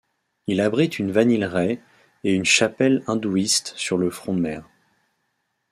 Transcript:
Il abrite une vanilleraie et une chapelle hindouiste sur le front de mer.